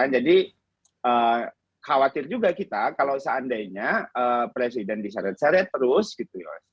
jadi khawatir juga kita kalau seandainya presiden diseret seret terus gitu